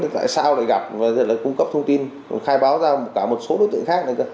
giả soát đánh giá triệu tập các đối tượng